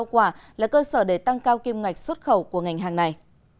quả là cơ sở để tăng cao kim ngạch xuất khẩu của ngành hàng này